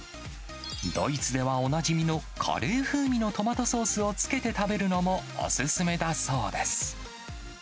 ドイツではおなじみのカレー風味のトマトソースをつけて食べるのもお勧めだそうです。